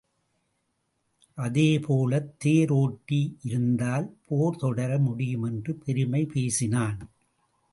அதுபோலத் தேர் ஒட்டி இருந்தால் போர் தொடர முடியும் என்று பெருமை பேசினான்.